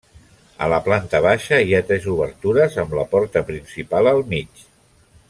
A la planta baixa hi ha tres obertures amb la porta principal al mig.